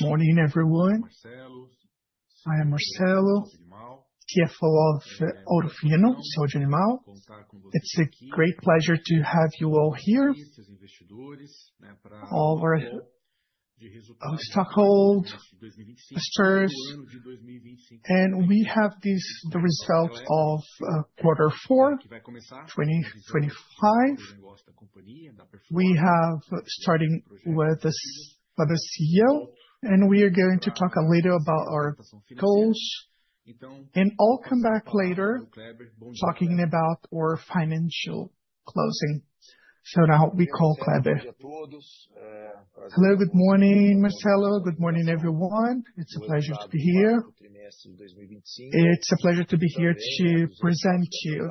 Morning, everyone. I am Marcelo, CFO of Ouro Fino Saúde Animal. It's a great pleasure to have you all here. All of our stockholders. We have the results of quarter four 2025. We have, starting with the CEO. We are going to talk a little about our goals. I'll come back later talking about our financial closing. Now we call Kleber. Hello, good morning, Marcelo. Good morning, everyone. It's a pleasure to be here. It's a pleasure to be here to present to you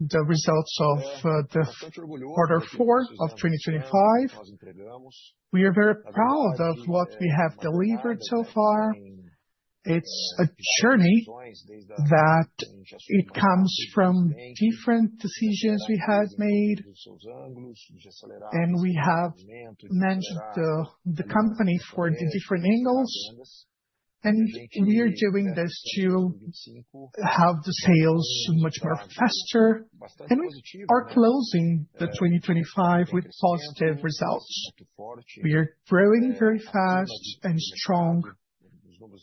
the results of the quarter four of 2025. We are very proud of what we have delivered so far. It's a journey that comes from different decisions we have made. We have managed the company for the different angles. We are doing this to have the sales much more faster. We are closing the 2025 with positive results. We are growing very fast and strong.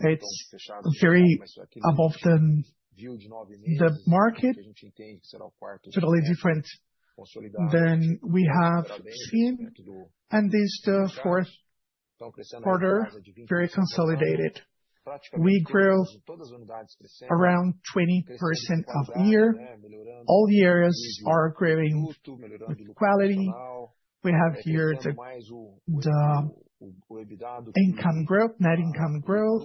It's very above the market. Totally different than we have seen. This is the fourth quarter, very consolidated. We grew around 20% of year. All the areas are growing with quality. We have here the net income growth,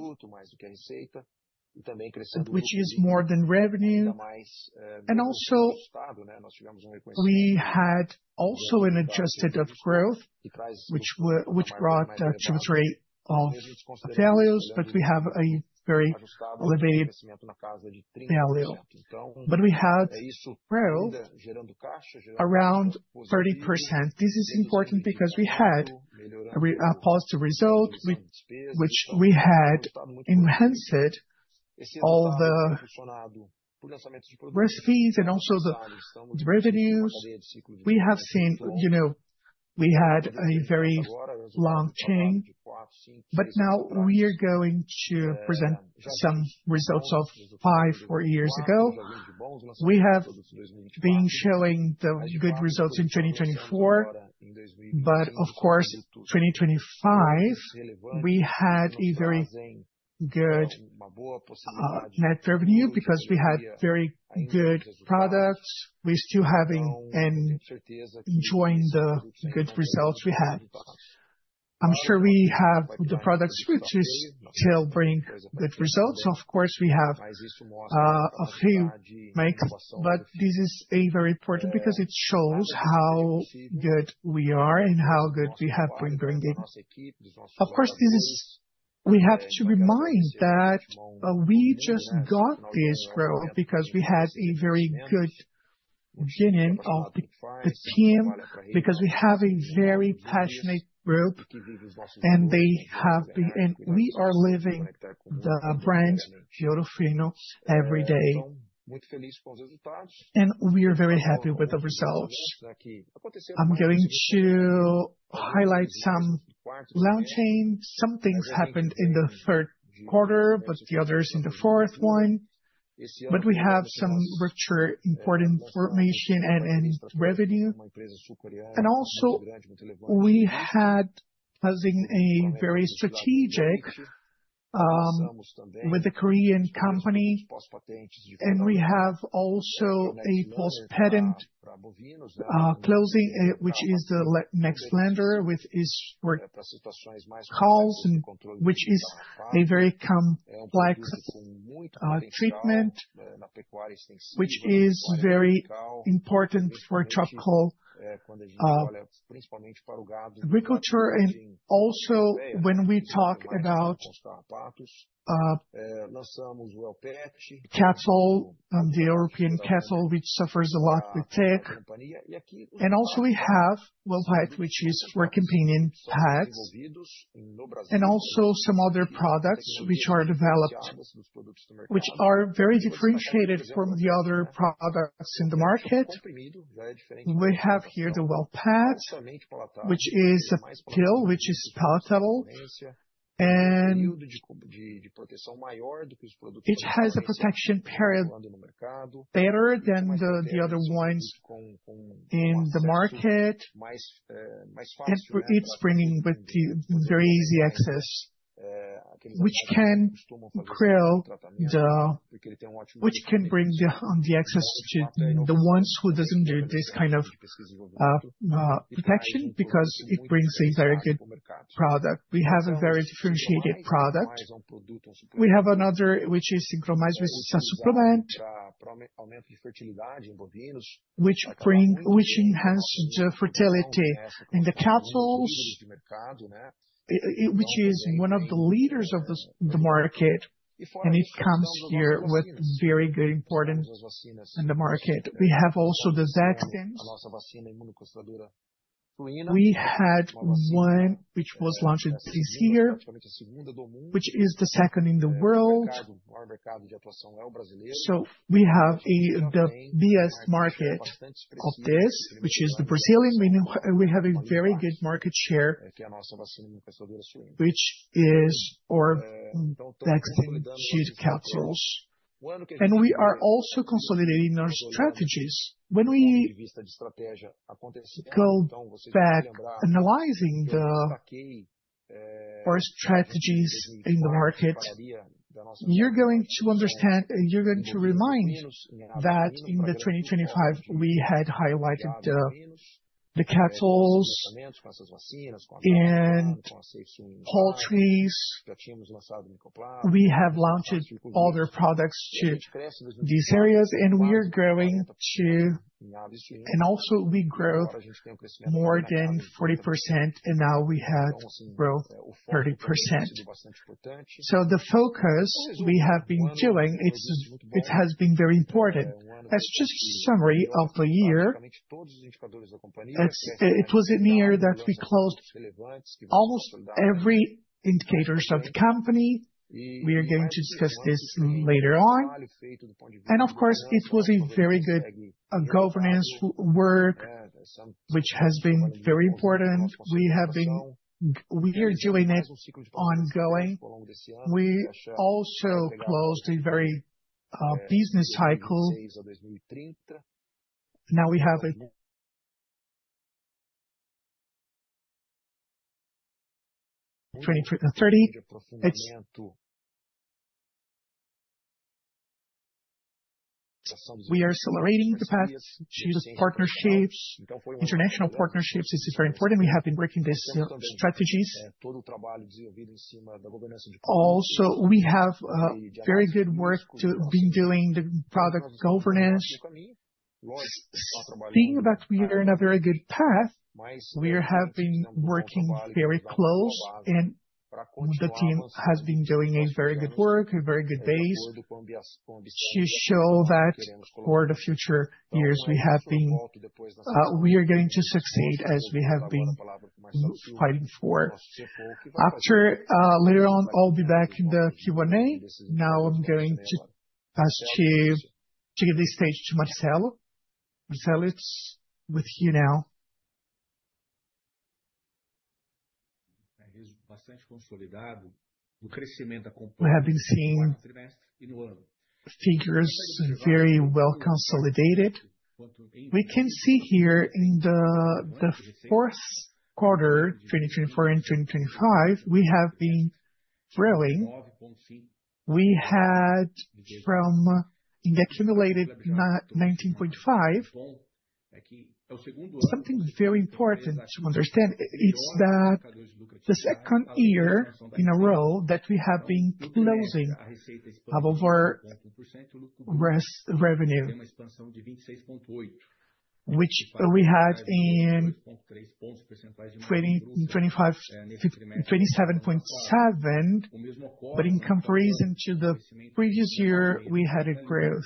which is more than revenue. We had an adjusted growth, which brought a trajectory of values. We have a very elevated value. We had growth around 30%. This is important because we had a positive result, which we had enhanced all the revenues and also the revenues. We had a very long chain. Now we are going to present some results of five, four years ago. We have been showing the good results in 2024. Of course, 2025, we had a very good net revenue because we had very good products. We're still having and enjoying the good results we have. I'm sure we have the products which will still bring good results. Of course, we have a few more. This is very important because it shows how good we are and how good we have been bringing. Of course, we have to remind that we just got this role because we had a very good beginning of the team, because we have a very passionate group. We are living the brand Ouro Fino every day. We are very happy with the results. I'm going to highlight some launching. Some things happened in the third quarter, but the others in the fourth one. We have some richer important information and revenue. We had as in a very strategic with the Korean company. We have also a post-patent closing, which is the Nexlaner, which is for cows and which is a very complex treatment, which is very important for tropical agriculture and also when we talk about cattle and the European cattle, which suffers a lot with tick. We have WellPet, which is for companion pets. Some other products which are very differentiated from the other products in the market. We have here the WellPet, which is a pill, which is palatable. It has a protection period better than the other ones in the market. It's bringing with very easy access, which can bring the access to the ones who doesn't get this kind of protection because it brings a very good product. We have a very differentiated product. We have another, which is Sincromais, which is a supplement, which enhance the fertility in the cattle, which is one of the leaders of the market. It comes here with very good importance in the market. We have also the vaccines. We had one which was launched this year, which is the second in the world. So we have the BR market of this, which is the Brazilian. We have a very good market share, which is our vaccine cattle. We are also consolidating our strategies. When we go back analyzing our strategies in the market, you're going to remind that in 2025, we had highlighted the cattle and poultries. We have launched other products to these areas, and we are growing too. We grew more than 40%, and now we have grown 30%. The focus we have been doing, it has been very important. That's just a summary of the year. It was in the year that we closed almost every indicators of the company. We are going to discuss this later on. Of course, it was a very good governance work, which has been very important. We are doing it ongoing. We also closed a very business cycle. Now we have 2030. We are accelerating the path to partnerships, international partnerships. This is very important. We have been working these strategies. We have very good work to be doing the product governance, seeing that we are in a very good path. Later on, I'll be back in the Q&A. I'm going to pass the stage to Marcelo. Marcelo is with you now. We have been seeing figures very well consolidated. We can see here in the fourth quarter 2024 and 2025, we have been growing. We had from in the accumulated, 19.5%. Something very important to understand, it's the second year in a row that we have been closing above our gross revenue, which we had in 27.7%. In comparison to the previous year, we had a growth.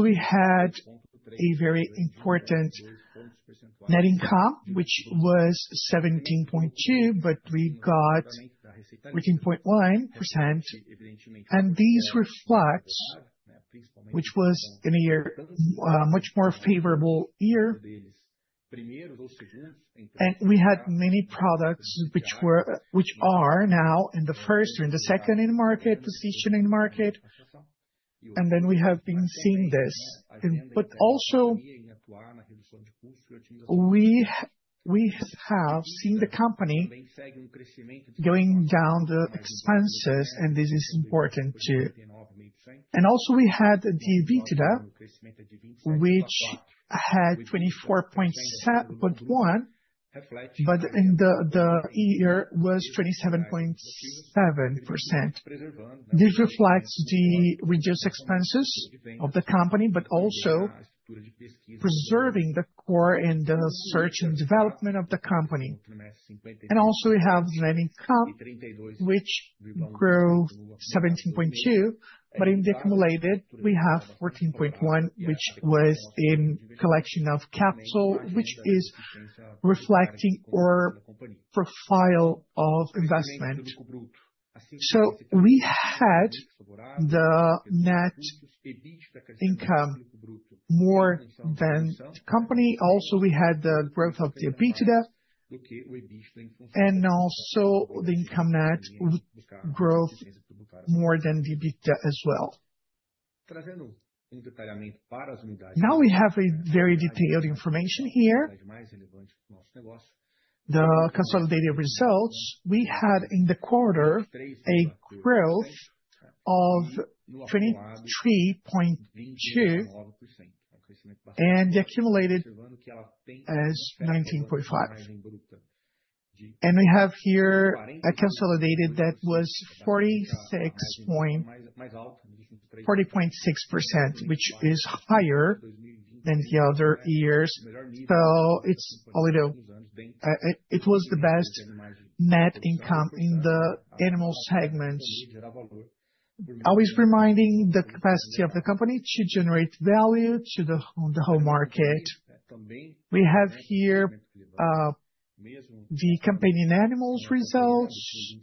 We had a very important net income, which was 17.2%, but we got 13.1%. This reflects which was in a much more favorable year. We had many products which are now in the first or in the second position in market. We have been seeing this. We have seen the company going down the expenses, and this is important too. We had the EBITDA, which had 24.1%, but in the year was 27.7%. This reflects the reduced expenses of the company, but also preserving the core in the search and development of the company. We have net income, which grew 17.2%. In the accumulated, we have 14.1%, which was in collection of capital, which is reflecting our profile of investment. We had the net income more than the company. We had the growth of the EBITDA and the income net growth more than the EBITDA as well. We have a very detailed information here. The consolidated results we had in the quarter, a growth of 23.2% and accumulated as 19.5%. We have here a consolidated that was 40.6%, which is higher than the other years. It was the best net income in the animal segments. Always reminding the capacity of the company to generate value to the whole market. We have here the companion animals results.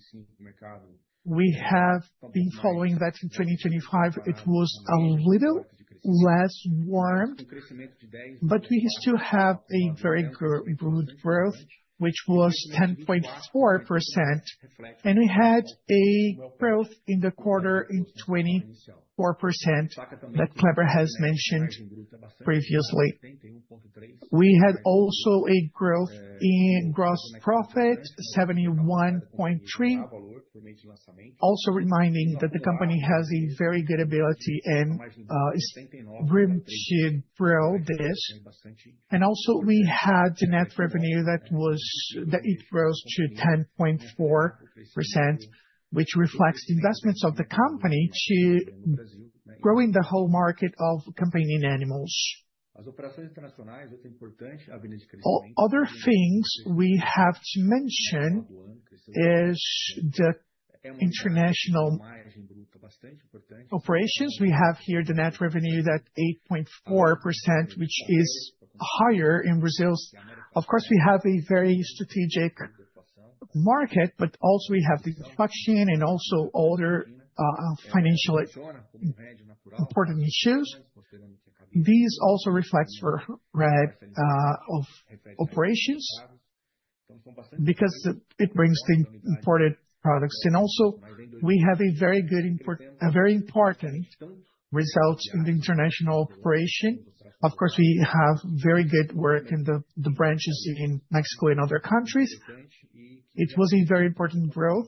We have been following that in 2025, it was a little less warm, but we still have a very good growth, which was 10.4%, and we had a growth in the quarter in 24% that Kleber has mentioned previously. We had a growth in gross profit 71.3%. Reminding that the company has a very good ability and is room to grow this. We had the net revenue that it grows to 10.4%, which reflects the investments of the company to growing the whole market of companion animals. Other things we have to mention is the international operations. We have here the net revenue that 8.4%, which is higher in Brazil. Of course, we have a very strategic market, but also we have the reflection and also other financially important issues. This also reflects for operations, because it brings the imported products in. We have a very important result in the international operation. Of course, we have very good work in the branches in Mexico and other countries. It was a very important growth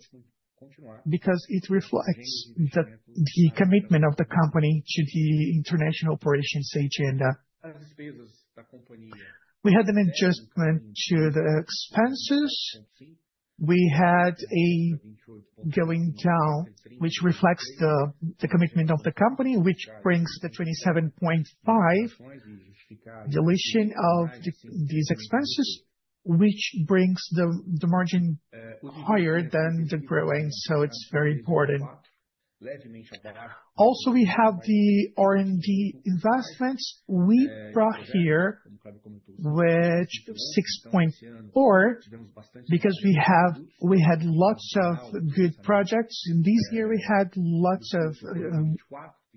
because it reflects the commitment of the company to the international operations agenda. We had an adjustment to the expenses. We had a going down, which reflects the commitment of the company, which brings the 27.5% deletion of these expenses, which brings the margin higher than the growing. It's very important. We have the R&D investments we brought here, which 6.4%, because we had lots of good projects. In this year, we had lots of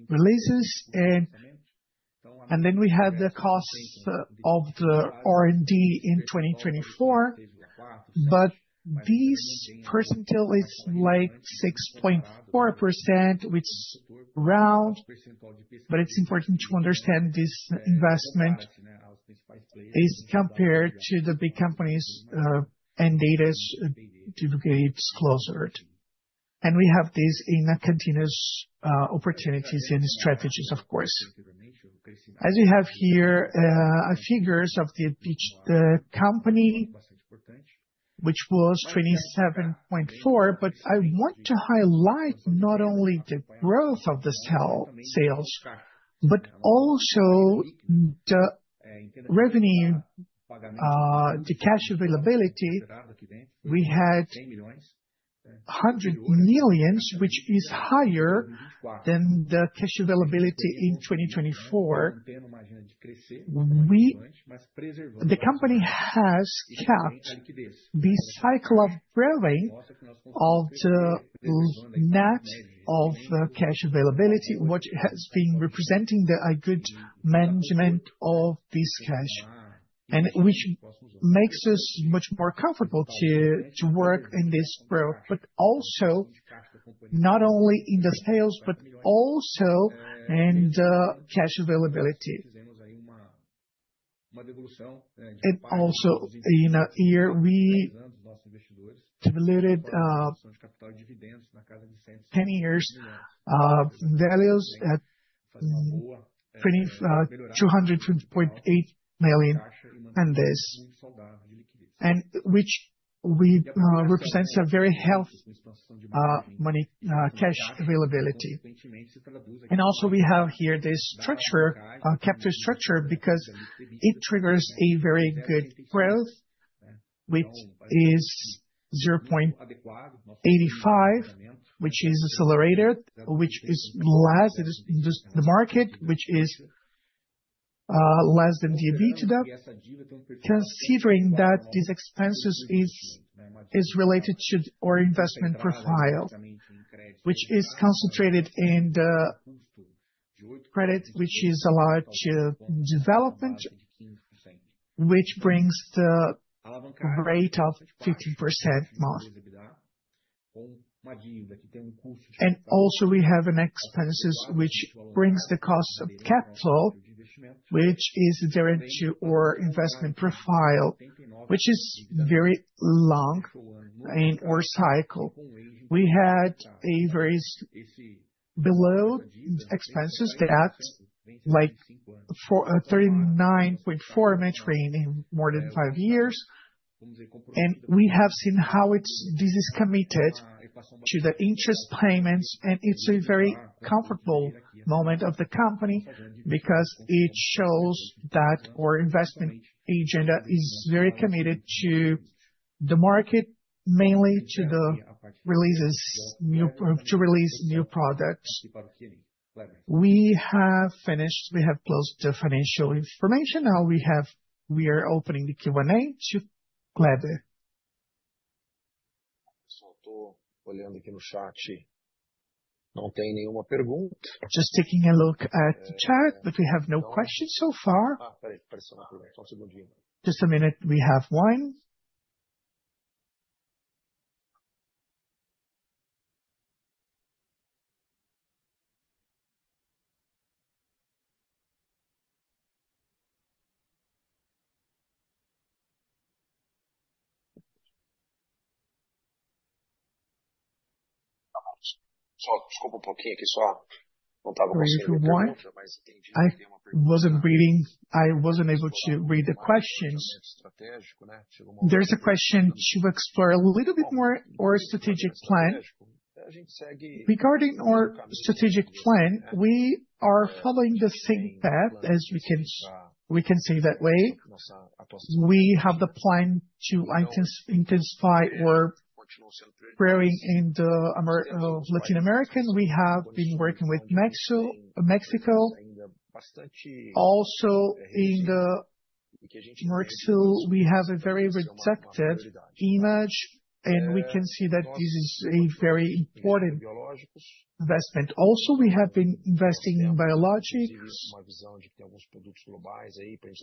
releases, we had the costs of the R&D in 2024. This percentile is like 6.4%, it's round, but it's important to understand this investment is compared to the big companies and data to get closer. We have this in a continuous opportunities and strategies, of course. As we have here, figures of the company, which was 27.4%, I want to highlight not only the growth of the sales, but also the revenue, the cash availability. We had 100 million, which is higher than the cash availability in 2024. The company has kept this cycle of growing of the net of cash availability, which has been representing a good management of this cash, which makes us much more comfortable to work in this growth. Not only in the sales, but also in the cash availability. In a year, we diluted 10-year values at BRL 220.8 million. Which represents a very healthy cash availability. We have here the structure, capture structure, because it triggers a very good growth, which is 0.85, which is accelerated, which is less in the market, which is less than the EBITDA. Considering that these expenses is related to our investment profile, which is concentrated in the credit, which is allowed to development, which brings the rate of 15% more. Also we have an expenses which brings the cost of capital, which is direct to our investment profile, which is very long in our cycle. We had a very below expenses debt, like 39.4% maturing in more than five years. We have seen how this is committed to the interest payments, and it's a very comfortable moment of the company, because it shows that our investment agenda is very committed to the market, mainly to release new products. We have closed the financial information. We are opening the Q&A to Kleber. Taking a look at the chat, we have no questions so far. A minute, we have one. Going to one. I wasn't able to read the questions. There's a question to explore a little bit more our strategic plan. Regarding our strategic plan, we are following the same path, we can say that way. We have the plan to intensify our growing in Latin America. We have been working with Mexico. In Mexico, we have a very receptive image, we can see that this is a very important investment. We have been investing in biologics.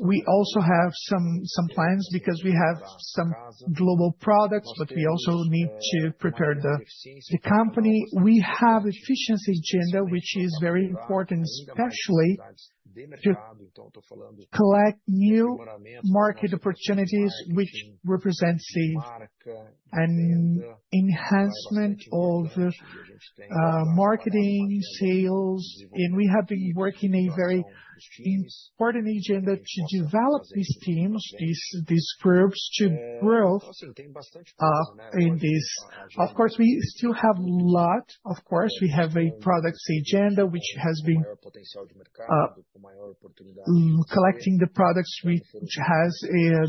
We also have some plans because we have some global products, we also need to prepare the company. We have efficiency agenda, which is very important, especially to collect new market opportunities, which represents an enhancement of marketing sales. We have been working a very important agenda to develop these teams, these groups, to growth in this. Of course, we still have a lot. We have a products agenda, which has been collecting the products which has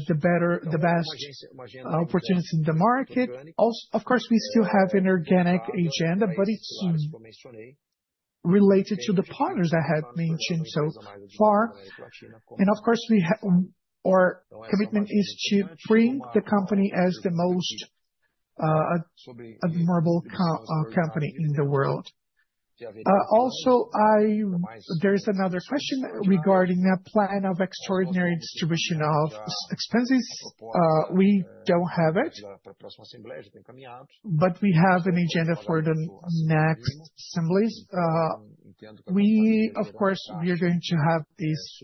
the best opportunities in the market. We still have an organic agenda, it's related to the partners I have mentioned so far. Our commitment is to bring the company as the most admirable company in the world. There's another question regarding a plan of extraordinary distribution of expenses. We don't have it, we have an agenda for the next assemblies. We are going to have this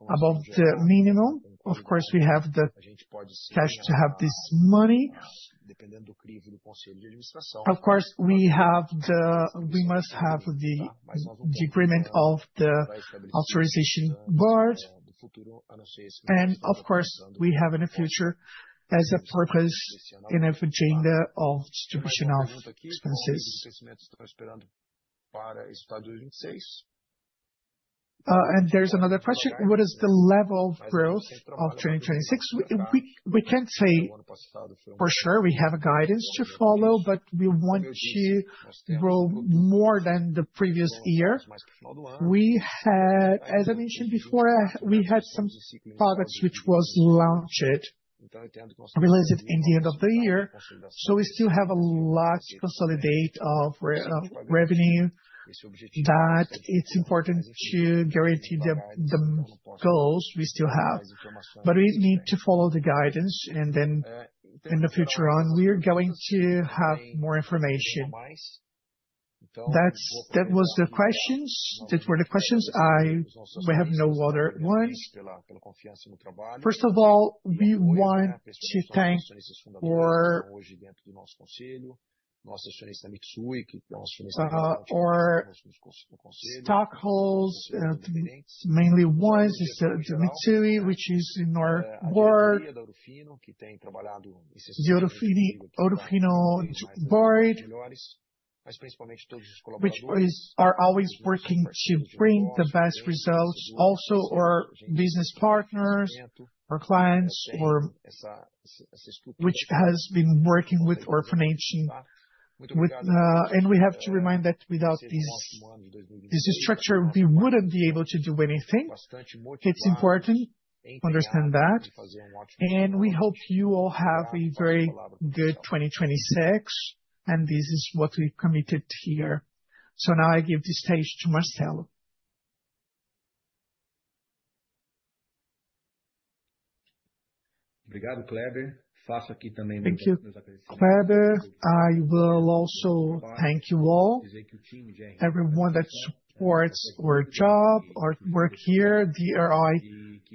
above the minimum. We have the cash to have this money. We must have the agreement of the authorization board. We have in the future as a purpose and agenda of distribution of expenses. There's another question, what is the level of growth of 2026? We can say for sure we have a guidance to follow, we want to grow more than the previous year. As I mentioned before, we had some products which was launched, released at the end of the year. We still have a lot to consolidate of revenue, that it's important to guarantee the goals we still have. We need to follow the guidance, in the future on, we are going to have more information. That was the questions. We have no other ones. First of all, we want to thank our stockholders, mainly ones, the Mitsui, which is in our board. The Ouro Fino board, which are always working to bring the best results. Our business partners, our clients, which has been working with Ouro Fino. We have to remind that without this structure, we wouldn't be able to do anything. It's important to understand that. We hope you all have a very good 2026, this is what we've committed here. Now I give the stage to Marcelo. Thank you, Cleber. I will also thank you all, everyone that supports our job, our work here. The ROI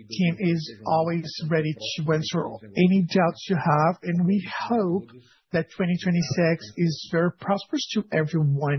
team is always ready to answer any doubts you have, and we hope that 2026 is very prosperous to everyone.